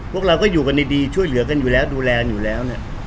พวกเราก็อยู่กันดีช่วยเหลือกันอยู่แล้วดูแลอยู่แล้วเนี่ย